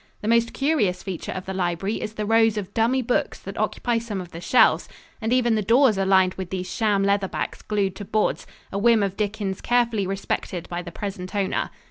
The most curious feature of the library is the rows of dummy books that occupy some of the shelves, and even the doors are lined with these sham leather backs glued to boards, a whim of Dickens carefully respected by the present owner.